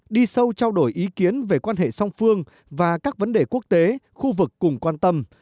đi sâu trao đổi ý kiến về quan hệ song phương và các vấn đề quốc tế khu vực cùng quan tâm